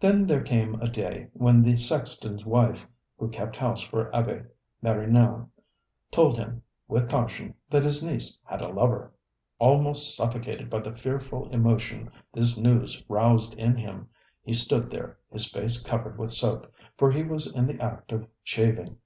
Then there came a day when the sexton's wife, who kept house for Abbe Marignan, told him, with caution, that his niece had a lover. Almost suffocated by the fearful emotion this news roused in him, he stood there, his face covered with soap, for he was in the act of shaving.